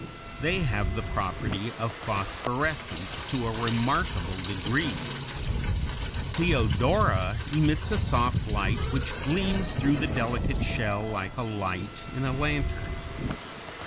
They have the property of phosphorescence to a remarkable degree. Cleodora (Fig. 113, D) emits a soft light which gleams through the delicate shell like a light in a lantern.